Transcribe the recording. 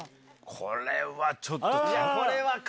これはちょっと。